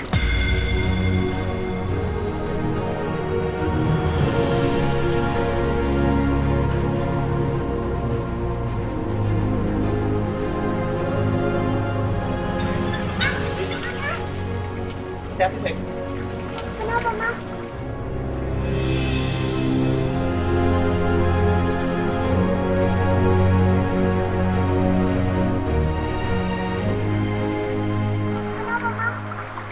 teman kamu patrick